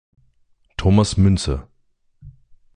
Thomas Müntzer.